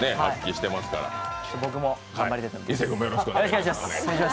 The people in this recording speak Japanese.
僕も頑張りたいと思います。